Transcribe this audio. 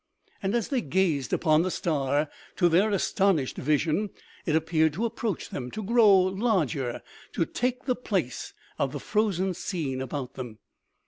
And as they gazed upon the star, to their astonished vision, it appeared to approach them, to grow larger, to take the place of the frozen scene about them.